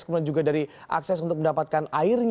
kemudian juga dari akses untuk mendapatkan air